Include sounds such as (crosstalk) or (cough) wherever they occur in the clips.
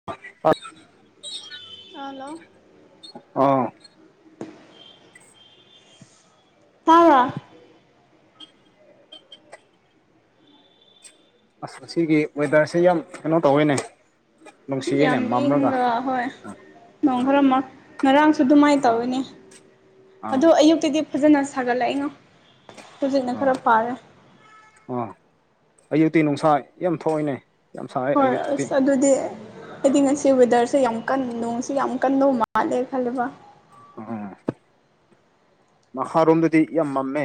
(unintelligible) Hello ꯑꯣ ꯇꯥꯕ꯭ꯔꯥ ꯑꯁ ꯉꯁꯤꯒꯤ ꯋꯦꯗꯔꯁꯦ ꯌꯥꯝ ꯀꯩꯅꯣ ꯇꯧꯋꯦꯅꯦ ꯅꯨꯡꯁꯤꯌꯦꯅꯦ ꯌꯥꯝ ꯃꯝꯔꯒ ꯏꯪꯗ꯭ꯔꯣ ꯍꯣꯏ ꯅꯣꯡ ꯑꯥ ꯈꯔꯃꯛ ꯉꯔꯥꯡꯁꯨ ꯗꯨꯃꯥꯏ ꯑꯥ ꯇꯧꯋꯤꯅꯦ ꯑꯥ ꯑꯗꯣ ꯑꯌꯨꯛꯇꯗꯤ ꯐꯖꯅ ꯁꯥꯒꯠꯂꯛꯏꯉꯣ ꯍꯨꯖꯤꯛꯅ ꯑꯥ ꯈꯔ ꯐꯥꯔꯦ ꯑꯥ ꯑꯌꯨꯛꯇꯤ ꯅꯨꯡꯁꯥ ꯌꯥꯝ ꯊꯣꯛꯏꯅꯦ ꯌꯥꯝ ꯁꯥꯏ ꯍꯣꯏ ꯑꯌꯨꯛꯇꯤ ꯑꯁ ꯑꯗꯨꯗꯤ ꯈꯣꯏꯗꯤ ꯉꯁꯤ ꯋꯦꯗꯔꯁꯦ ꯌꯥꯝ ꯀꯟ ꯅꯣꯡꯁꯤ ꯌꯥꯝ ꯀꯟꯗꯧ ꯃꯥꯜꯂꯦ ꯈꯜꯂꯨꯕ ꯑꯣ ꯃꯈꯥꯔꯣꯝꯗꯗꯤ ꯌꯥꯝ ꯃꯝꯃꯦ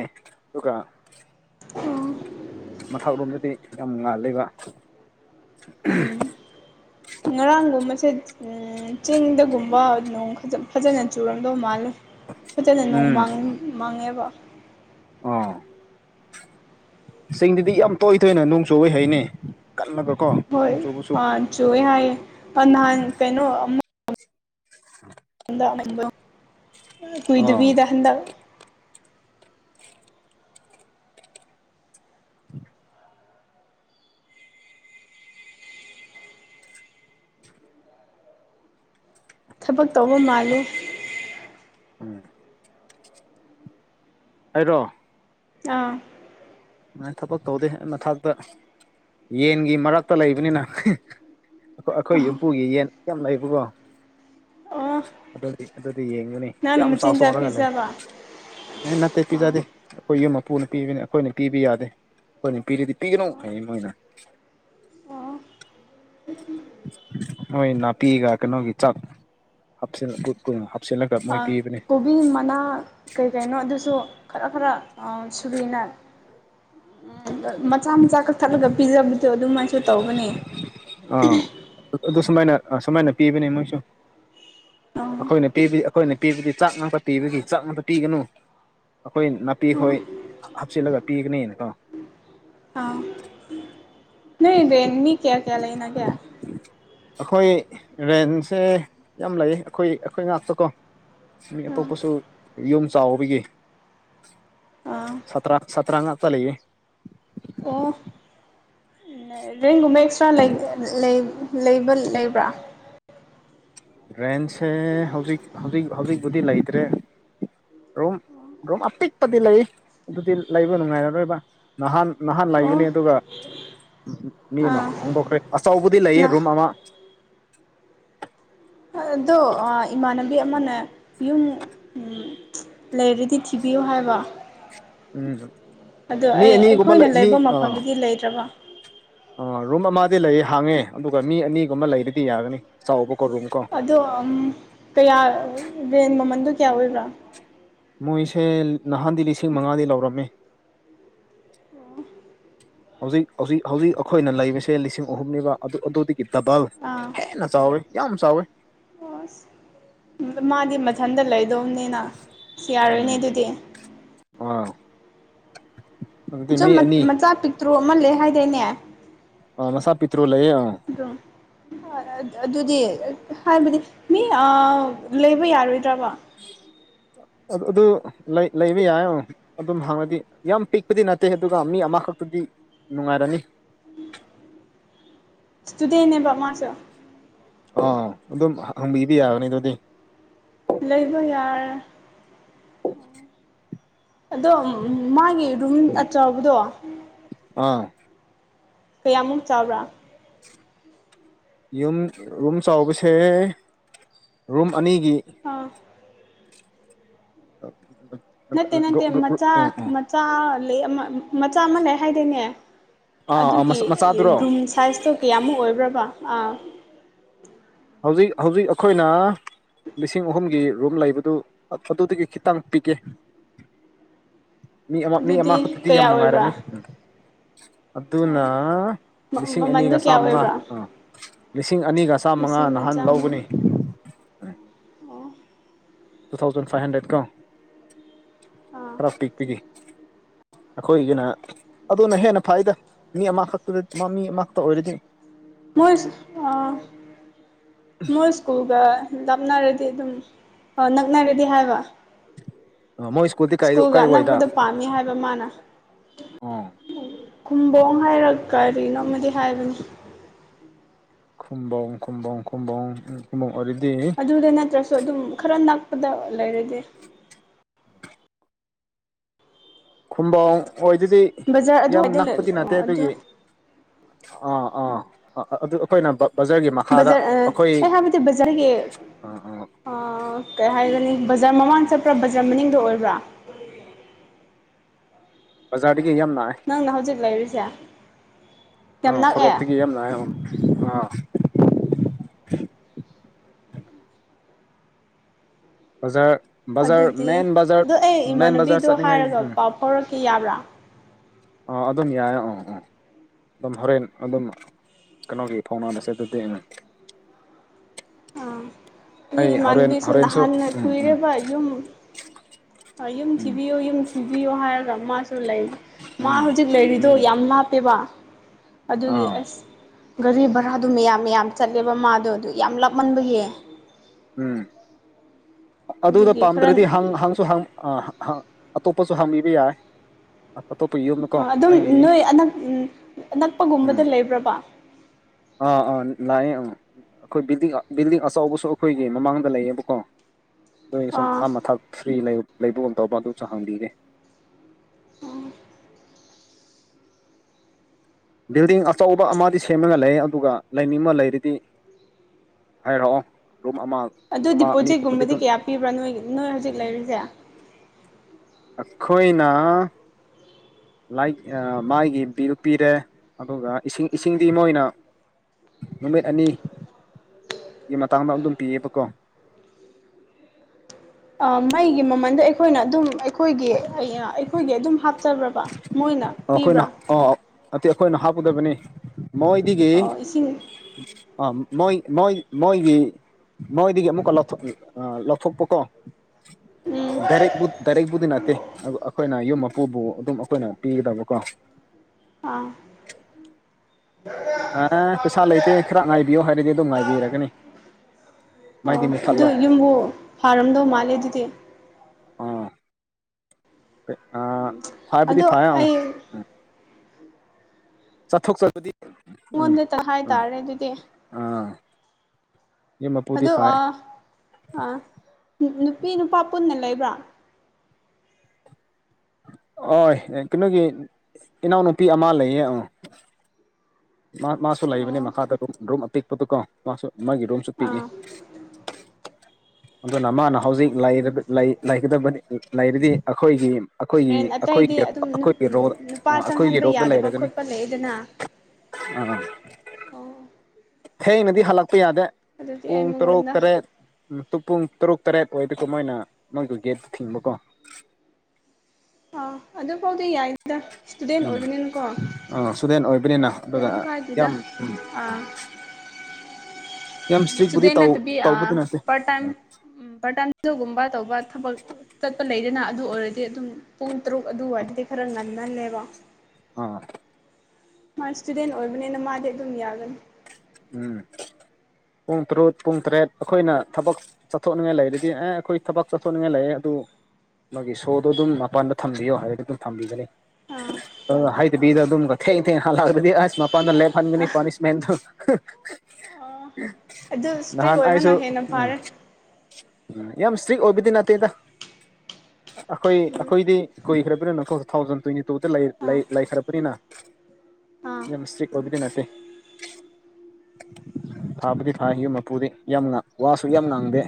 ꯗꯨꯒ ꯃꯊꯛꯂꯣꯝꯗꯗꯤ ꯌꯥꯝ ꯉꯥꯜꯂꯦꯕ ꯎꯝ ꯉꯔꯥꯡꯒꯨꯝꯕꯁꯦ ꯎꯝ ꯆꯤꯡꯗꯒꯨꯝꯕ ꯅꯣꯡ ꯈꯖꯛ ꯐꯖꯅ ꯆꯨꯔꯝꯗꯧ ꯃꯥꯜꯂꯦ ꯐꯖꯅ ꯅꯣꯡ ꯎꯝ ꯃꯪ ꯃꯪꯉꯦꯕ ꯑꯥꯎ ꯆꯤꯡꯗꯗꯤ ꯌꯥꯝ ꯇꯣꯏ ꯇꯣꯏꯅ ꯅꯣꯡ ꯆꯨꯏꯋꯦ ꯍꯥꯏꯅꯦ ꯀꯟꯂꯒꯀꯣ ꯍꯣꯏ ꯑ ꯆꯨꯏꯋꯩ ꯍꯥꯏꯌꯦ ꯑ ꯅꯍꯥꯟ ꯀꯩꯅꯣ ꯑꯃꯨꯛ (inaudible) (unintelligible) ꯑꯥ ꯀꯨꯏꯗꯕꯤꯗ ꯍꯟꯗꯛ (inaudible) ꯊꯕꯛ ꯇꯧꯕ ꯃꯥꯜꯂꯦ ꯎꯝ ꯑꯩꯔꯣ ꯑꯥ ꯑꯗꯨꯨ ꯊꯕꯛ ꯇꯧꯗꯦ ꯃꯊꯛꯇ ꯌꯦꯟꯒꯤ ꯃꯔꯛꯇ ꯂꯩꯕꯅꯤꯅ ꯑꯈꯣꯏ ꯑꯈꯣꯏ ꯑꯣ ꯌꯨꯝꯄꯨꯒꯤ ꯌꯦꯟ ꯌꯥꯝ ꯂꯩꯕꯀꯣ ꯑꯣ ꯑꯗꯨꯗꯤ ꯑꯗꯨꯗꯤ ꯌꯦꯡꯒꯅꯤ꯫ ꯅꯪꯅ ꯌꯥꯝ ꯆꯥꯎ ꯃꯆꯤꯟꯖꯥꯛ ꯆꯥꯎꯔꯒ ꯂꯩ ꯄꯤꯖꯕ ꯑꯦ ꯅꯠꯇꯦ ꯑꯥ ꯄꯤꯖꯗꯦ ꯑꯈꯣꯏ ꯌꯨꯝ ꯃꯄꯨꯅ ꯄꯤꯕꯅꯤ ꯑꯈꯣꯏꯅ ꯄꯤꯕ ꯌꯥꯗꯦ ꯑꯈꯣꯏꯅ ꯄꯤꯔꯗꯤ ꯄꯤꯒꯅꯨ ꯍꯥꯏ ꯃꯣꯏꯅ꯫ (inaudible) ꯃꯣꯏ ꯅꯥꯄꯤꯒ ꯀꯩꯅꯣꯒꯤ ꯆꯥꯛ ꯍꯥꯞꯆꯤꯜ ꯑꯗꯨ ꯀꯩꯅꯣ ꯍꯥꯞꯆꯤꯜꯂꯒ ꯃꯣꯏ ꯄꯤꯕꯅꯤ꯫ ꯕꯤ ꯃꯅꯥ ꯀꯩ ꯀꯩꯅꯣ ꯑꯗꯨꯁꯨ ꯈꯔ ꯈꯔ ꯁꯨꯔꯤꯅ ꯎ ꯃꯆꯥ ꯃꯆꯥ ꯀꯛꯊꯠꯂꯒ ꯄꯤꯖꯕꯗꯣ ꯑꯗꯨꯃꯥꯏꯁꯨ ꯇꯧꯕꯅꯦ꯫ ꯑꯥ ꯑꯗꯨ ꯁꯨꯃꯥꯏꯅ ꯁꯨꯃꯥꯏꯅ ꯄꯤꯕꯅꯦ ꯃꯣꯏꯁꯨ꯫ ꯑꯥ ꯑꯩꯈꯣꯏꯅ ꯄꯤꯕꯤ ꯑꯩꯈꯣꯏꯅ ꯄꯤꯕꯗꯤ ꯆꯥꯛ ꯉꯅꯥꯛꯇ ꯄꯤꯕꯒꯤ ꯆꯥꯛ ꯉꯛꯇ ꯄꯤꯒꯅꯨ ꯑꯈꯣꯏ ꯅꯥꯄꯤ ꯑꯥ ꯍꯧꯋꯦ ꯍꯥꯞꯆꯤꯜꯂꯒ ꯄꯤꯕꯅꯦꯅ ꯀꯣ꯫ ꯑꯥ꯫ ꯅꯣꯏ ꯔꯦꯟ ꯃꯤ ꯀꯌꯥ ꯀꯌꯥ ꯂꯩꯅꯒꯦ? ꯑꯈꯣꯏ ꯔꯦꯟꯁꯦ ꯌꯥꯝ ꯂꯩ ꯑꯈꯣꯏ ꯑꯈꯣꯏ ꯉꯥꯛꯇ ꯀꯣ ꯃꯤ ꯑꯇꯣꯞꯄꯁꯨ ꯌꯨꯝ ꯆꯥꯎꯕꯒꯤ ꯑꯥ ꯁꯇ꯭ꯔ ꯁꯇ꯭ꯔ ꯉꯥꯛꯇ ꯂꯩꯌꯦ꯫ ꯑꯣ ꯔꯦꯟꯒꯨꯝꯕ ꯑꯦꯛꯁꯇ꯭ꯔꯥ ꯂꯩꯕ ꯂꯩꯕ ꯂꯩꯕ꯭ꯔꯥ? ꯔꯦꯟꯁꯦ ꯍꯧꯖꯤꯛ ꯍꯧꯖꯤꯛ ꯍꯧꯖꯤꯛꯄꯨꯗꯤ ꯂꯩꯇ꯭ꯔꯦ ꯔꯨꯝ ꯔꯨꯝ ꯑꯄꯤꯛꯄꯗꯤ ꯂꯩꯌꯦ꯫ ꯑꯗꯨꯗꯤ ꯂꯩꯕ ꯅꯨꯡꯉꯥꯏꯔꯔꯣꯏꯕ ꯅꯍꯥꯟ ꯅꯍꯥꯟ ꯑꯣ ꯂꯩꯒꯅꯤ ꯑꯗꯨꯒ ꯃꯤꯅ ꯑꯥ ꯍꯣꯡꯗꯣꯛꯈ꯭ꯔꯦ ꯑꯆꯧꯕꯗꯤ ꯂꯩꯌꯦ ꯅ ꯔꯨꯝ ꯑꯃ꯫ ꯑꯗꯣ ꯏꯃꯥꯟꯅꯕꯤ ꯑꯃꯅ ꯌꯨꯝ ꯂꯩꯔꯗꯤ ꯊꯤꯕꯤꯌꯨ ꯍꯥꯏꯕ꯫ ꯎꯝ ꯑꯗꯣ ꯃꯤ ꯑꯦ ꯑꯅꯤꯒꯨꯝꯕ ꯑꯩꯈꯣꯏꯅ ꯂꯩ ꯃꯤ ꯂꯩꯕ ꯃꯐꯝꯗꯨꯗꯤ ꯂꯩꯇ꯭ꯔꯕ꯫ ꯑ ꯔꯨꯝ ꯑꯃꯗꯤ ꯂꯩꯌꯦ ꯍꯥꯡꯉꯦ ꯑꯗꯨꯒ ꯃꯤ ꯑꯅꯤꯒꯨꯝꯕ ꯂꯩꯔꯗꯤ ꯌꯥꯒꯅꯤ ꯆꯥꯎꯕꯀꯣ ꯔꯨꯝ ꯀꯣ꯫ ꯑꯗꯣ ꯀꯌꯥ ꯔꯦꯟ ꯃꯃꯟꯗꯣ ꯀꯌꯥ ꯑꯣꯏꯕ꯭ꯔꯥ? ꯃꯣꯏꯁꯦ ꯅꯍꯥꯟꯗꯤ ꯂꯤꯁꯤꯡ ꯃꯉꯥꯗꯤ ꯂꯧꯔꯝꯃꯦ꯫ ꯑꯣ꯫ ꯍꯧꯖꯤꯛ ꯍꯧꯖꯤꯛ ꯍꯧꯖꯤꯛ ꯑꯈꯣꯏꯅ ꯂꯩꯕꯁꯦ ꯂꯤꯁꯤꯡ ꯑꯍꯨꯝꯅꯦꯕ ꯑꯗꯨ ꯑꯗꯨꯗꯒꯤ ꯗꯕꯜ ꯑꯥ ꯍꯦꯟꯅ ꯆꯥꯎꯋꯦ ꯌꯥꯝ ꯆꯥꯎꯋꯦ꯫ ꯎꯝ ꯃꯥꯗꯤ ꯃꯊꯟꯗ ꯂꯩꯗꯧꯅꯤꯅ ꯌꯥꯔꯣꯏꯅꯦ ꯎꯝ ꯑꯗꯨꯗꯤ꯫ ꯑꯥ꯫ ꯑꯗꯨꯗꯤ ꯁꯨꯝ ꯃꯤ ꯑꯅꯤ ꯃꯆꯥ ꯄꯤꯛꯇ꯭ꯔꯨ ꯑꯃ ꯂꯩ ꯍꯥꯏꯗꯩꯅꯦ? ꯑ ꯃꯆꯥ ꯄꯤꯇ꯭ꯔꯨ ꯂꯩꯌꯦ ꯑ꯫ ꯑꯗꯣ ꯍꯣꯏ ꯑꯗꯨꯗꯤ ꯍꯥꯏꯕꯗꯤ ꯃꯤ ꯑꯥ ꯂꯩꯕ ꯌꯥꯔꯣꯏꯗ꯭ꯔꯕ꯫ (inaudible) ꯑꯗꯨ ꯑꯗꯨ ꯂꯩ ꯂꯩꯕ ꯌꯥꯔꯔꯣꯏ꯫ ꯑꯗꯨꯝ ꯍꯪꯉꯗꯤ ꯌꯥꯝ ꯄꯤꯛꯄꯗꯤ ꯅꯠꯇꯦ ꯑꯗꯨꯒ ꯃꯤ ꯑꯃꯈꯛꯇꯗꯤ ꯅꯨꯡꯉꯥꯏꯔꯅꯤ꯫ ꯏꯁꯇꯨꯗꯦꯟꯅꯦꯕ ꯃꯥꯁꯨ꯫ ꯑꯥ ꯑꯗꯨꯝ ꯍꯪꯕꯤꯕ ꯌꯥꯒꯅꯤ ꯑꯗꯨꯗꯤ꯫ ꯂꯩꯕ ꯌꯥꯔꯦ꯫ (inaudible) ꯑꯗꯣ ꯃꯥꯒꯤ ꯔꯨꯝ ꯑꯆꯧꯕꯗꯣ꯫ ꯑꯥ꯫ ꯀꯌꯥꯃꯨꯛ ꯆꯥꯎꯕ꯭ꯔꯥ꯫ ꯌꯨꯝ ꯔꯨꯝ ꯆꯥꯎꯕꯁꯦ ꯔꯨꯝ ꯑꯅꯤꯒꯤ ꯑꯥ꯫ (unintelligible) ꯅꯠꯇꯦ ꯅꯠꯇꯦ ꯃꯆꯥ ꯎꯝ ꯎꯝ ꯃꯆꯥ ꯂꯩ ꯑꯃ ꯃꯆꯥ ꯑꯃ ꯂꯩ ꯍꯥꯏꯗꯥꯏꯅꯦ꯫ ꯑꯥ ꯑꯗꯨꯒꯤ ꯃꯆꯥꯗꯨꯔꯣ ꯔꯨꯝ ꯁꯥꯏꯖꯇꯣ ꯀꯌꯥꯃꯨꯛ ꯑꯣꯏꯕ꯭ꯔꯕꯥ ꯑꯥ꯫ ꯍꯧꯖꯤꯛ ꯍꯧꯖꯤꯛ ꯑꯩꯈꯣꯏꯅ ꯂꯤꯁꯤꯡ ꯑꯍꯨꯝꯒꯤ ꯔꯨꯝ ꯂꯩꯕꯗꯨ ꯑꯗꯨꯗꯒꯤ ꯈꯤꯇꯪ ꯄꯤꯑꯦ꯫ (unintelligible) ꯃꯤ ꯑꯃ ꯃꯤ ꯑꯗꯨꯗꯤ ꯑꯃꯈꯛꯇꯗꯤ ꯀꯌꯥ ꯌꯥꯝ ꯑꯣꯏꯕ꯭ꯔꯥ ꯅꯨꯡꯉꯥꯏꯔꯅꯤ ꯑꯗꯨꯅ ꯑꯣ ꯂꯤꯁꯤꯡ ꯑꯅꯤꯒ ꯃꯃꯟꯗꯣ ꯀꯌꯥ ꯆꯥꯝꯃꯉꯥ ꯑꯣꯏꯕ꯭ꯔꯥ ꯑ ꯂꯤꯁꯤꯡ ꯑꯅꯤꯒ ꯆꯥꯝꯃꯉꯥ ꯂꯤꯁꯤꯡ ꯑꯅꯤ ꯅꯍꯥꯟ ꯆꯥꯝꯃ ꯂꯧꯕꯅꯤ꯫ ꯑꯣ ꯇꯨ ꯊꯥꯎꯖꯟ ꯐꯥꯏꯚ ꯍꯟꯗ꯭ꯔꯦꯠ ꯀꯣ꯫ ꯑꯥ ꯈꯔ ꯄꯤꯛꯄꯒꯤ꯫ ꯑꯩꯈꯣꯏꯒꯤꯅ ꯑꯗꯨꯅ ꯍꯦꯟꯅ ꯐꯥꯏꯗ ꯃꯤ ꯑꯃꯈꯛꯇꯗ ꯃꯤ ꯑꯃꯈꯛꯇ ꯑꯣꯏꯔꯗꯤ꯫ ꯃꯣꯏ ꯑ ꯃꯣꯏ ꯏꯁ꯭ꯀꯨꯜꯒ ꯂꯥꯞꯅꯔꯗꯤ ꯑꯗꯨꯝ ꯑ ꯅꯛꯅꯔꯗꯤ ꯍꯥꯏꯕ꯫ ꯑ ꯃꯣꯏ ꯁ꯭ꯀꯨꯜꯗꯤ ꯀꯥꯏꯗ ꯁ꯭ꯀꯨꯜꯒ ꯀꯥꯏ ꯋꯥꯏꯗ ꯑꯅꯛꯄꯗ ꯄꯥꯝꯃꯤ ꯍꯥꯏꯕ ꯃꯥꯅ꯫ ꯑꯣ ꯈꯨꯝꯕꯣꯡ ꯍꯥꯏꯔ ꯀꯔꯤꯅꯣ ꯑꯃꯗꯤ ꯍꯥꯏꯕꯅꯤ꯫ ꯈꯨꯝꯕꯣꯡ ꯈꯨꯝꯕꯣꯡ ꯈꯨꯝꯕꯣꯡ ꯎꯝ ꯈꯨꯝꯕꯣꯡ ꯑꯣꯏꯔꯗꯤ ꯑꯗꯨꯗ ꯅꯠꯇ꯭ꯔꯁꯨ ꯑꯗꯨꯝ ꯈꯔ ꯅꯛꯄꯗ ꯂꯩꯔꯗꯤ ꯈꯨꯝꯕꯣꯡ ꯑꯣꯏꯗꯨꯗꯤ ꯕꯖꯥꯔ ꯌꯥꯝ ꯑꯗꯨꯋꯥꯏꯗ ꯅꯛꯄꯗꯤ ꯅꯠꯇꯦ ꯑꯗꯨ ꯑꯗꯨꯒꯤ ꯑꯥ ꯑꯥ ꯑ ꯑꯗꯨ ꯑꯩꯈꯣꯏꯅ ꯕꯛ ꯕꯖꯥꯔꯒꯤ ꯃꯥ ꯕꯖꯥꯔ ꯑ ꯑꯩ ꯍꯥꯏꯕꯗꯤ ꯕꯖꯥꯔꯒꯤ ꯑ ꯀꯩ ꯍꯥꯏꯒꯅꯤ ꯕꯖꯥꯔ ꯃꯃꯥꯡꯗ ꯆꯠꯄ꯭ꯔꯥ ꯕꯖꯥꯔ ꯃꯅꯤꯡꯗ ꯑꯣꯏꯕ꯭ꯔꯥ꯫ ꯕꯖꯥꯔꯗꯒꯤ ꯌꯥꯝ ꯂꯥꯛꯑꯦ꯫ ꯅꯪꯅ ꯍꯧꯖꯤꯛ ꯂꯩꯔꯤꯖꯦ꯫ ꯑꯥ ꯊꯣꯔꯣꯛꯇꯒꯤ ꯌꯥꯝ ꯂꯥꯛꯑꯦ ꯑꯥ꯫ ꯕꯖꯥꯔ ꯕꯖꯥꯔ ꯑꯗꯨꯗꯤ ꯃꯦꯟ ꯕꯖꯥꯔ ꯑꯗꯣ ꯑꯩ ꯃꯦꯟ ꯕꯖꯥꯔ ꯏꯃꯥꯟꯅꯕꯤꯗꯣ ꯆꯠꯅꯤꯡꯉꯥꯏꯗꯤ ꯍꯥꯏꯔꯒ ꯎꯝ꯫ ꯄꯥꯎ ꯐꯥꯎꯔꯛꯀꯦ ꯌꯥꯕ꯭ꯔꯥ ꯑꯥ ꯑꯗꯨꯝ ꯌꯥꯏ ꯑ ꯑ꯫ ꯑꯗꯨꯝ ꯍꯣꯔꯦꯟ ꯑꯗꯨꯝ ꯀꯩꯅꯣꯒꯤ ꯐꯧꯅꯥ (unintelligible) ꯑ ꯃꯤ ꯑꯩ ꯍꯣꯔꯦꯟ ꯏꯃꯥꯟꯅꯕꯤꯁꯨ ꯍꯣꯔꯦꯟꯁꯨ ꯅꯍꯥꯟꯅ ꯎꯝ ꯎꯝ ꯀꯨꯏꯔꯦꯕ ꯌꯨꯝ (unintelligible) ꯌꯨꯝ ꯎꯝ ꯊꯤꯕꯤꯌꯨ ꯌꯨꯝ ꯊꯨꯕꯤꯌꯨ ꯍꯥꯏꯔꯒ ꯃꯥꯁꯨ ꯂꯩ ꯃꯥ ꯎꯝ ꯍꯧꯖꯤꯛ ꯂꯩꯔꯤ ꯗꯨ ꯎꯝ ꯌꯥꯝ ꯍꯥꯞꯄꯦꯕ ꯑꯗꯨꯒꯤ ꯑꯥ ꯑꯁ ꯒꯥꯔꯤ ꯚꯔꯥꯗꯣ ꯃꯌꯥꯝ ꯃꯌꯥꯝ ꯆꯠꯂꯦꯕ ꯃꯥꯗꯣ ꯑꯗꯨ ꯌꯥꯝ ꯂꯥꯞꯃꯟꯕꯒꯤ꯫ ꯎꯝ ꯑꯗꯨꯗ ꯑꯗꯨꯒꯤ ꯈꯔ ꯄꯥꯝꯗ꯭ꯔꯗꯤ ꯍꯡ ꯍꯡꯁꯨ ꯍꯥꯥꯡ ꯑ (unintelligible) ꯑꯇꯣꯞꯄꯁꯨ ꯍꯡꯕꯤꯕ ꯌꯥꯏ꯫ ꯑꯇꯣꯞꯄ ꯌꯣꯝꯗꯀꯣ ꯑꯗꯨꯝ ꯑꯩꯒꯤ ꯅꯣꯏ ꯎꯝ ꯂꯩꯕ꯭ꯔꯣꯕ꯫ ꯑꯥ ꯑꯥ ꯂꯩꯌꯦ ꯎꯝ꯫ ꯑꯩꯈꯣꯏ ꯕꯤꯜꯗꯤꯡ ꯕꯤꯜꯗꯤꯡ ꯑꯆꯧꯕꯁꯨ ꯑꯩꯈꯣꯏꯒꯤ ꯃꯃꯥꯡꯗ ꯂꯩꯌꯦꯕꯀꯣ꯫ ꯑꯗꯨ ꯁꯨꯝ ꯑꯥ ꯃꯊꯛ ꯐ꯭ꯔꯤ ꯂꯩ ꯂꯩꯕꯒꯨꯝ ꯇꯧꯕ ꯑꯗꯨꯁꯨ ꯍꯪꯕꯤꯒꯦ꯫ ꯑꯣ ꯕꯤꯜꯗꯤꯡ ꯑꯆꯧꯕ ꯑꯃꯗꯤ ꯁꯦꯝꯃꯒ ꯂꯩ ꯑꯗꯨꯒ ꯂꯩꯅꯤꯡꯃ ꯂꯩꯔꯤꯗꯤ ꯍꯥꯏꯔꯛꯑꯣ ꯔꯨꯝ ꯑꯃ ꯑꯗꯨ ꯑꯃ ꯑꯅꯤꯒꯨꯝꯕꯗꯤ ꯗꯤꯄꯣꯖꯤꯠꯀꯨꯝꯕꯗꯤ ꯑꯗꯨꯝ ꯀꯌꯥ ꯄꯤꯕ꯭ꯔꯥ ꯅꯣꯏꯒꯤ ꯅꯣꯏ ꯍꯧꯖꯤꯛ ꯂꯩꯔꯤꯁꯦ ꯑꯈꯣꯏꯅ ꯂꯥꯏꯛ ꯃꯥꯏꯒꯤ ꯕꯤ ꯄꯤꯔꯦ ꯑꯗꯨꯒ ꯏꯁꯤꯡ ꯏꯁꯤꯡꯗꯤ ꯃꯣꯏꯅ ꯅꯨꯃꯤꯠ ꯑꯅꯤꯒꯤ ꯃꯇꯥꯡꯗ ꯑꯗꯨꯝ ꯄꯤꯌꯦꯕꯀꯣ ꯑ ꯃꯩꯒꯤ ꯃꯃꯟꯗꯣ ꯑꯩꯈꯣꯏꯅ ꯑꯗꯨꯝ ꯑꯩꯈꯣꯏꯒꯤ ꯑꯩꯈꯣꯏꯒꯤ ꯑꯗꯨꯝ ꯍꯥꯞꯆꯕꯔꯕ ꯑꯩꯈꯣꯏꯅ ꯑꯣ ꯅꯠꯇꯦ ꯑꯩꯈꯣꯏꯅ ꯍꯥꯞꯀꯗꯕꯅꯤ ꯃꯣꯏꯗꯒꯤ ꯑꯣ ꯏꯁꯤꯡ ꯑꯥ ꯃꯣꯏ ꯃꯣꯏ ꯃꯣꯏꯒꯤ ꯃꯣꯏꯗꯒꯤ ꯑꯃꯨꯛꯀ ꯂꯧꯊꯣꯛ ꯑ ꯂꯧꯊꯣꯛꯄ ꯀꯣ ꯎꯝ ꯗꯥꯏꯔꯦꯛ ꯗꯥꯏꯔꯦꯛꯄꯨꯗꯤ ꯅꯠꯇꯦ ꯑꯩꯈꯣꯏꯅ ꯌꯨꯝ ꯑꯃ ꯎꯄꯨꯕꯨ ꯑꯗꯨꯝ ꯑꯩꯈꯣꯏꯅ ꯄꯤꯒꯗꯕꯀꯣ ꯑꯥ ꯑ ꯄꯩꯁꯥ ꯂꯩꯇꯦ ꯈꯔ ꯉꯥꯏꯕꯤꯌꯣ ꯍꯥꯏꯔꯗꯤ ꯑꯗꯨꯝ ꯉꯥꯏꯕꯤꯔꯒꯅꯤ ꯃꯩꯗꯤ ꯃꯨꯊꯠꯂꯣꯏ ꯌꯨꯝꯕꯨꯨ ꯐꯔꯝꯗꯧ ꯃꯥꯜꯂꯦ ꯑꯗꯨꯗꯤ ꯑꯥ ꯑꯥ ꯐꯥꯕꯗꯤ ꯑꯗꯣ ꯐꯥꯏꯌꯦ ꯑꯩ ꯆꯠꯊꯣꯛ ꯆꯠꯄꯗꯤ ꯎꯝ ꯑꯩꯉꯣꯟꯗꯇ ꯑꯥ ꯍꯥꯏꯇꯥꯔꯦ ꯑꯗꯨꯗꯤ ꯑꯥ ꯌꯨꯝ ꯃꯄꯨꯗꯤ ꯐꯩ ꯑ ꯅꯨꯄꯤ ꯅꯨꯄꯥ ꯄꯨꯟꯅ ꯂꯩꯕ꯭ꯔꯥ ꯑꯣꯏ ꯀꯩꯅꯣꯒꯤ ꯏꯅꯥꯎꯅꯨꯄꯤ ꯑꯃ ꯂꯩꯌꯦ ꯃꯥ ꯃꯥꯁꯨ ꯂꯩꯕꯅꯦ ꯑꯣ ꯃꯈꯥꯗ ꯔꯨꯝ ꯑꯄꯤꯛꯄꯗꯨ ꯀꯣ ꯃꯥꯁꯨ ꯃꯥꯒꯤ ꯔꯨꯝ ꯑꯥ ꯑꯗꯨꯅ ꯃꯥꯅ ꯍꯧꯖꯤꯛ ꯂꯩꯔꯗꯤ ꯑꯩꯈꯣꯏꯒꯤ ꯑꯩꯈꯣꯏꯒꯤ ꯔꯦꯟ ꯑꯇꯩꯗꯤ ꯑꯩꯈꯣꯏꯒꯤ ꯑꯗꯨꯝ ꯑꯩꯈꯣꯏꯒꯤ ꯔꯣꯗ ꯑꯩꯈꯣꯏꯒꯤ ꯔꯣꯝꯗ ꯂꯩꯔꯒꯅꯤ ꯂꯩꯌꯦꯗꯅ ꯑꯥ ꯊꯦꯡꯅꯗꯤ ꯍꯜꯂꯛꯄ ꯌꯥꯗꯦ ꯑꯗꯨꯗꯤ ꯑꯩ ꯄꯨꯡ ꯇꯔꯨꯛ ꯃꯉꯣꯟꯗ ꯇꯔꯦꯠ ꯄꯨꯡ ꯇꯔꯨꯛ ꯇꯔꯦꯠ ꯑꯣꯏꯕꯗꯣ ꯃꯣꯏꯅ ꯃꯪꯗꯨ ꯒꯦꯠꯇ ꯊꯤꯡꯕꯀꯣ ꯑ ꯑꯗꯨ ꯐꯥꯎꯗꯤ ꯌꯥꯏ ꯏꯁꯇꯨꯗꯦꯟ ꯎꯝ ꯑꯣꯏꯕꯅꯤꯅꯀꯣ ꯑꯥ ꯏꯁꯇꯨꯗꯦꯟ ꯑꯣꯏꯕꯅꯤꯅ ꯑꯗꯨꯒ ꯀꯔꯤꯝ ꯀꯥꯏꯗꯦꯗ ꯌꯥꯝ ꯑꯥ ꯌꯥꯝ ꯏꯁꯇ꯭ꯔꯤꯛꯄꯨꯗꯤ ꯁꯇꯨꯗꯦꯟꯠ ꯇꯧ ꯅꯠꯇꯕꯤ ꯇꯧꯕꯗꯤ ꯑꯥ ꯅꯠꯇꯦ ꯄꯥꯔꯠ ꯇꯥꯏꯝ ꯎꯝ ꯄꯥꯔꯠ ꯇꯥꯏꯝ ꯑꯗꯨꯒꯨꯝꯕ ꯇꯧꯕ ꯊꯕꯛ ꯆꯠꯄ ꯂꯩꯗꯅ ꯑꯗꯨ ꯑꯣꯏꯔꯗꯤ ꯑꯗꯨꯝ ꯄꯨꯡ ꯇꯔꯨꯛ ꯑꯗꯨ ꯋꯥꯏꯗꯗꯤ ꯈꯔ ꯉꯟ... (unintelligible) ꯑꯥ ꯃꯥ ꯏꯁꯇꯨꯗꯦꯟ ꯑꯣꯏꯕꯅꯤꯅ ꯃꯥꯗꯤ ꯑꯗꯨꯝ ꯌꯥꯒꯅꯤ ꯎꯝ ꯄꯨꯡ ꯇꯔꯨꯠ ꯄꯨꯡ ꯇꯔꯦꯠ ꯑꯩꯈꯣꯏꯅ ꯊꯕꯛ ꯆꯠꯊꯣꯛꯅꯤꯡꯉꯥꯏ ꯂꯩꯔꯗꯤ ꯑꯦ ꯑꯩꯈꯣꯏ ꯊꯕꯛ ꯆꯠꯊꯣꯛꯅꯤꯡꯉꯥꯏ ꯂꯩ ꯑꯗꯨ ꯃꯥꯒꯤ ꯁꯣꯗꯣ ꯑꯗꯨꯝ ꯃꯄꯥꯟꯗ ꯊꯝꯕꯤꯌꯣ ꯍꯥꯏꯔꯗꯤ ꯑꯗꯨꯝ ꯊꯝꯕꯤꯒꯅꯤ ꯑꯥ ꯑ ꯑꯣ ꯍꯥꯏꯗꯕꯤꯗ ꯑꯗꯨꯝꯒ ꯊꯦꯡ ꯊꯦꯡ ꯍꯟꯂꯛꯑꯗꯤ ꯃꯄꯥꯟꯗ ꯂꯦꯞꯍꯟꯒꯅꯤ ꯄꯥꯅꯤꯁꯃꯦꯟꯗꯣ ꯑꯣ ꯑꯗꯨ ꯏꯁꯇ꯭ꯔꯤꯛ ꯅꯍꯥꯟ ꯑꯣꯏꯕꯅ ꯑꯥꯏꯁꯨ ꯍꯦꯟꯅ ꯎꯝ ꯐꯔꯦ ꯌꯥꯝ ꯁꯇ꯭ꯔ꯭ꯤꯛ ꯑꯣꯏꯕꯗꯤ ꯅꯠꯇꯦꯗ (unintelligible) ꯑꯩꯈꯣꯏ ꯎꯝ ꯑꯩꯈꯣꯏꯗꯤ ꯀꯨꯏꯈ꯭ꯔꯕꯅꯤꯅꯀꯣ ꯇꯨ ꯊꯥꯎꯖꯟ ꯇ꯭ꯋꯦꯟꯇꯤ ꯇꯨꯗ ꯂꯩ ꯂꯩ ꯑꯥ ꯂꯩꯈ꯭ꯔꯕꯅꯤꯅ ꯑꯥ ꯌꯥꯝ ꯁꯇ꯭ꯔꯤꯛ ꯑꯣꯏꯕꯗꯤ ꯅꯠꯇꯦ ꯐꯥꯕꯨꯗꯤ ꯐꯥꯢ ꯌꯨꯝ ꯃꯄꯨꯗꯤ ꯌꯥꯝꯅ ꯋꯥꯁꯨ ꯌꯥꯝ ꯉꯥꯡꯗꯦ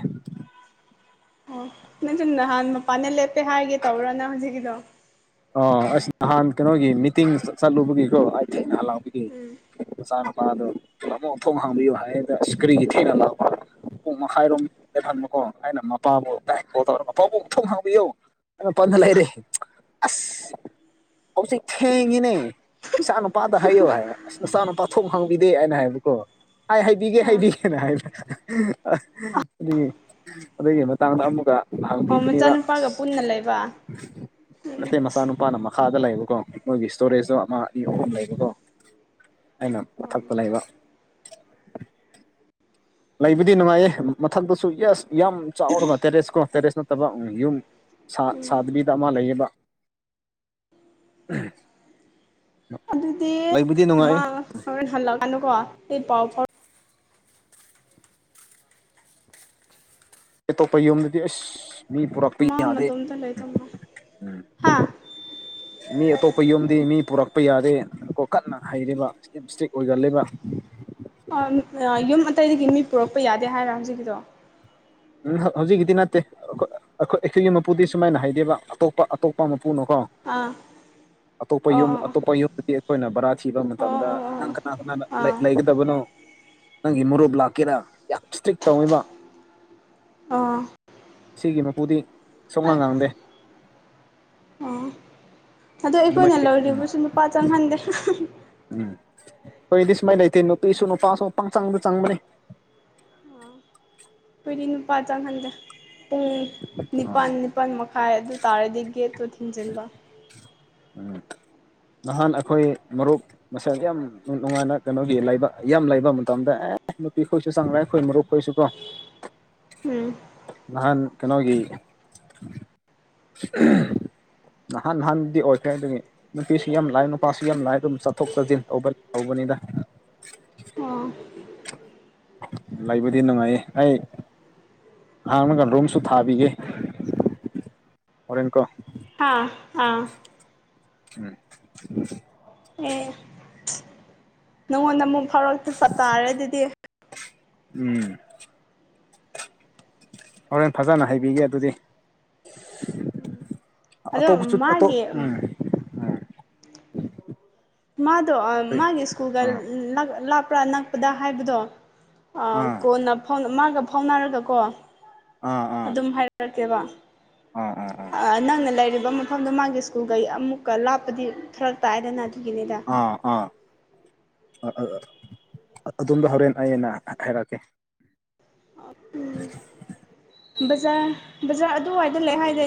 ꯅꯪꯁꯨꯨ ꯅꯍꯥꯟ ꯃꯄꯥꯟꯗ ꯂꯦꯞꯄꯦ ꯍꯥꯏꯒꯦ ꯇꯧꯕꯔꯣ ꯅꯪ ꯍꯧꯖꯤꯛꯀꯤꯗꯣ ꯑ ꯑꯁ ꯅꯍꯥꯟ ꯀꯩꯅꯣꯒꯤ ꯃꯤꯇꯤꯡ ꯆꯠꯂꯨꯕꯒꯤꯀꯣ ꯑꯩ ꯊꯦꯡꯅ ꯍꯟꯂꯛꯄꯒꯤ ꯃꯆꯥꯅꯨꯄꯥꯗꯣ ꯇꯥꯃꯣ ꯊꯣꯡ ꯍꯥꯡꯕꯤꯌꯨ ꯍꯥꯏꯌꯦꯗ ꯏꯁ ꯀꯔꯤꯒꯤ ꯊꯦꯡꯅ ꯂꯛꯄꯔꯣ ꯄꯨꯡ ꯃꯈꯥꯏꯔꯣꯝ ꯂꯦꯞꯍꯟꯕꯀꯣ ꯑꯩꯅ ꯃꯄꯥꯕꯨ ꯀꯣꯜ ꯇꯧꯔ ꯄꯥꯕꯨꯡꯊꯣꯡ ꯍꯥꯡꯕꯤꯌꯨ ꯑꯩ ꯃꯄꯥꯟꯗ ꯂꯩꯔꯦ (unintelligible) ꯍꯧꯖꯤꯛ ꯐꯦꯡꯉꯦꯅꯦ ꯏꯆꯥ ꯅꯨꯄꯥꯗ ꯍꯥꯏꯌꯣ ꯍꯥꯏꯕ ꯑꯁ ꯅꯆꯥ ꯅꯨꯄꯥ ꯊꯣꯡ ꯍꯥꯡꯕꯤꯗꯦ ꯍꯥꯏꯅ ꯍꯥꯏꯕꯀꯣ ꯍꯥꯏ ꯍꯩꯏꯕꯤꯒꯦ ꯑꯥ ꯍꯩꯏꯕꯤꯒꯦꯅ ꯍꯥꯏꯕ ꯑꯗꯨꯒꯤ ꯑꯗꯨꯒꯤ ꯃꯇꯥꯡꯗ ꯑꯃꯨꯛꯀ ꯑꯣ ꯍꯥꯡꯄꯤꯕꯅꯦꯕ ꯃꯆꯥꯅꯨꯄꯥꯒ ꯑꯁ ꯄꯨꯟꯅ ꯂꯩꯕ ꯎꯝ ꯃꯦꯇꯦ ꯃꯆꯥ ꯅꯨꯨꯄꯥꯅ ꯃꯈꯥꯗ ꯂꯩꯕꯀꯣ ꯃꯣꯏꯒꯤ ꯏꯁꯇꯣꯔꯦꯖꯇꯣ ꯑꯃ ꯑꯅꯤ ꯑꯍꯨꯝ ꯂꯩꯕꯀꯣ ꯑꯩꯅ ꯃꯊꯛꯇ ꯂꯩꯕ ꯂꯩꯕꯗꯤ ꯅꯨꯡꯉꯥꯏꯌꯦ ꯃꯊꯛꯇꯁꯨ ꯌꯦꯁ ꯌꯥꯝ ꯆꯥꯎꯔꯒ ꯇꯦꯔꯦꯁ ꯀꯣ ꯇꯦꯔꯦꯁ ꯅꯠꯇꯕ ꯌꯨꯝ ꯁꯥ ꯁꯥꯗꯕꯤꯗ ꯑꯃ ꯂꯩꯌꯦꯕ ꯑꯍꯝ ꯗꯤ ꯃꯥ ꯍꯣꯔꯦꯟ ꯍꯜꯂꯀꯥꯟꯗꯀꯣ ꯑꯩ ꯄꯥꯎ ꯐꯥꯎ ꯑꯇꯣꯞꯄ ꯌꯨꯝꯗꯗꯤ ꯑꯁ ꯃꯤ ꯄꯨꯔꯛꯄ ꯃꯥ ꯌꯥꯗꯦ ꯃꯇꯣꯝꯇ ꯂꯩꯗꯧ ꯃꯥꯜꯂꯦ ꯎꯝ ꯍꯥ ꯃꯤ ꯑꯇꯣꯞꯄ ꯌꯨꯝꯗꯤ ꯃꯤ ꯄꯨꯔꯛꯄ ꯌꯥꯗꯦ ꯀꯣ ꯀꯟꯅ ꯍꯥꯏꯔꯦꯕ ꯌꯥꯝ ꯁ꯭ꯇꯤꯛ ꯑꯣꯏꯒꯜꯂꯦꯕ ꯑꯥꯝ ꯑꯥ ꯌꯨꯝ ꯑꯇꯩꯗꯒꯤ ꯃꯤ ꯄꯨꯔꯛꯄ ꯌꯥꯗꯦ ꯍꯥꯏꯔ ꯍꯧꯖꯤꯛꯀꯤꯗꯣ ꯎꯝ ꯍꯧꯖꯤꯛꯀꯤꯗꯤ ꯅꯠꯇꯦ ꯑꯩꯈꯣꯏ ꯑꯩꯈꯣꯏꯒꯤ ꯃꯄꯨꯗꯤ ꯁꯨꯃꯥꯏꯅ ꯍꯥꯏꯗꯦꯕ ꯑꯇꯣꯞꯄ ꯑꯇꯣꯞꯄ ꯃꯄꯨꯅꯥꯀꯣ ꯑꯥ ꯑꯇꯣꯞꯄ ꯑꯣ ꯌꯨꯝ ꯑꯣ ꯑꯇꯣꯞꯄ ꯌꯨꯝꯗꯗꯤ ꯑꯩꯈꯣꯏꯅ ꯕꯔꯥ ꯊꯤꯕ ꯃꯇꯝꯗ ꯑꯣ ꯑꯣ ꯅꯪ ꯀꯅꯥ ꯀꯅꯥꯅ ꯑꯣ ꯂꯩ ꯑꯥ ꯂꯩꯒꯅꯤ ꯇꯕꯅꯣ ꯅꯪꯒꯤ ꯃꯨꯔꯨꯞ ꯂꯥꯛꯀꯦꯔꯥ ꯌꯥꯝ ꯏꯁꯇ꯭ꯔꯤꯛ ꯇꯧꯑꯦꯕ ꯑꯥ ꯁꯤꯒꯤ ꯃꯄꯨꯨꯗꯤ ꯑꯩ ꯑꯥ ꯑꯗꯣ ꯑꯩꯈꯣꯏꯅ ꯑꯗꯨꯃꯥꯏꯗꯤ ꯎꯝ ꯂꯧꯔꯤꯕꯁꯨ ꯅꯨꯄꯥ ꯆꯪꯍꯟꯗꯦ ꯎꯝ ꯑꯩꯈꯣꯏꯗꯤ ꯁꯨꯃꯥꯏꯅ ꯂꯩꯇꯦ ꯅꯨꯄꯤꯁꯨ ꯅꯨꯄꯥꯁꯨ ꯄꯪꯆꯪꯗ ꯆꯪꯕꯅꯤ ꯈꯣꯏꯗꯤ ꯅꯨꯄꯥ ꯆꯪꯍꯟꯗꯦ ꯄꯨꯡ ꯅꯤꯄꯥꯜ ꯅꯤꯄꯥꯜ ꯃꯈꯥꯏ ꯑꯗꯨ ꯇꯥꯔꯗꯤ ꯒꯦꯠꯇꯨ ꯊꯤꯡꯖꯤꯟꯕ ꯎꯝ ꯅꯍꯥꯟ ꯑꯩꯈꯣꯏ ꯃꯔꯨꯞ ꯃꯁꯜ ꯌꯥꯝ ꯅꯨꯡꯉꯥꯏꯅ ꯀꯩꯅꯣꯒꯤ ꯂꯩꯕ ꯌꯥꯝ ꯂꯩꯕ ꯃꯇꯝꯗ ꯑꯦ ꯅꯨꯄꯤꯈꯣꯏꯁꯨ ꯆꯪꯔꯦ ꯑꯩꯈꯣꯏ ꯃꯔꯨꯞ ꯈꯣꯏꯁꯨ ꯀꯣ ꯎꯝ ꯅꯍꯥꯟ ꯀꯩꯅꯣꯒꯤ ꯅꯍꯥꯟ ꯍꯥꯟꯗꯤ ꯑꯣꯏꯈ꯭ꯔꯦ ꯑꯗꯨꯒꯤ ꯅꯨꯄꯤꯁꯨ ꯌꯥꯝ ꯂꯥꯛꯑꯦ ꯅꯨꯄꯥꯁꯨ ꯌꯥꯝ ꯂꯥꯛꯑꯦ ꯑꯗꯨꯕꯨ ꯆꯠꯊꯣꯛ ꯆꯠꯁꯤꯟ ꯇꯧꯕ ꯇꯧꯕꯅꯤꯗ ꯑꯣ ꯂꯩꯕꯗꯤ ꯅꯨꯡꯉꯥꯏꯌꯦ ꯑꯩ ꯍꯥꯡꯔꯒ ꯔꯨꯝꯁꯨ ꯊꯥꯕꯤꯒꯦ ꯍꯣꯔꯦꯟꯀꯣ ꯍꯥ ꯑꯥ ꯎꯝ ꯎꯝ ꯑꯦ ꯅꯪꯉꯣꯟꯗ ꯑꯃꯨꯛ ꯐꯥꯎꯔꯛꯄ ꯇꯥꯔꯦ ꯑꯗꯨꯗꯤ ꯎꯝ ꯍꯣꯔꯦꯟ ꯐꯖꯅ ꯍꯥꯏꯕꯤꯒꯦ ꯑꯗꯨꯗꯤ ꯑꯗꯣ ꯑꯇꯣꯞꯕꯁꯨ ꯑꯇꯣꯞ ꯃꯥꯒꯤ ꯎꯝ ꯎꯝ ꯃꯥꯗꯣ ꯑꯥ ꯃꯥꯒꯤ ꯁ꯭ꯀꯨꯜꯒ ꯑꯥ ꯅꯛ ꯂꯥꯞꯄ꯭ꯔꯥ ꯅꯛꯄꯗ ꯍꯥꯏꯕꯗꯣ ꯑꯥ ꯀꯣꯟꯅ ꯐꯥꯎ ꯃꯥꯒ ꯐꯥꯎꯅꯔꯒꯀꯣ ꯑꯥ ꯑꯥ ꯑꯗꯨꯝ ꯍꯥꯏꯔꯛꯀꯦꯕ ꯑꯥ ꯅꯪꯅ ꯂꯩꯔꯤꯕ ꯃ ꯃꯐꯝꯗꯨ ꯃꯥꯒꯤ ꯁ꯭ꯀꯨꯜꯒ ꯑꯃꯨꯛꯀ ꯂꯥꯞꯄꯗꯤ ꯐꯔꯛ ꯇꯥꯏꯗꯅ ꯑꯗꯨꯒꯤꯅꯤꯗ ꯑꯥ ꯑꯥ ꯑꯥ ꯑꯗꯣꯝꯗ ꯍꯣꯔꯦꯟ ꯑꯩꯩꯅ ꯍꯥꯏꯔꯛꯑꯒꯦ ꯑꯥ ꯎꯝ ꯕꯖꯥꯔ ꯕꯖꯥꯔ ꯑꯗꯨꯋꯥꯏꯗ ꯂꯩ ꯍꯥꯏꯗꯥꯢꯅꯦ